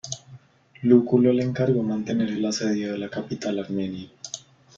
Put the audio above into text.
Lúculo le encargó mantener el asedio de la capital armenia.